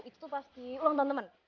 itu tuh pasti ulang tahun temen